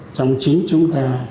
trong chính chúng ta